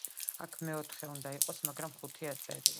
აქ მეოთხე უნდა იყოს მაგრამ ხუთი აწერია.